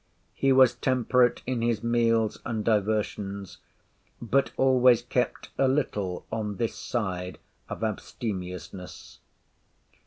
He was temperate in his meals and diversions, but always kept a little on this side of abstemiousness.